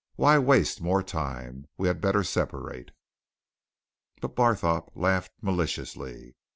Why waste more time? We had better separate." But Barthorpe laughed, maliciously.